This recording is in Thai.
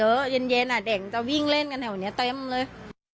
เพราะเด็กเยอะเย็นเด็กมันจะวิ่งเล่นกันแถวนี้เต็มเลย